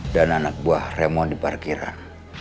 dan anak buah raymond di parkiran